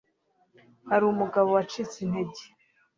Hari umugabo wacitse intege